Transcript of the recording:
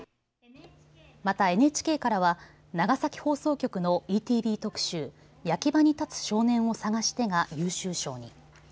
また、ＮＨＫからは長崎放送局のＥＴＶ特集「焼き場に立つ少年をさがして」が優秀賞に。